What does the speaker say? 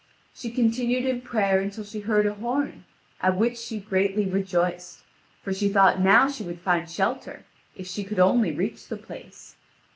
She continued in prayer until she heard a horn, at which she greatly rejoiced; for she thought now she would find shelter, if she could only reach the place.